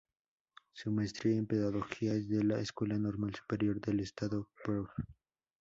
Su Maestría en Pedagogía es de la Escuela Normal Superior del Estado “Profr.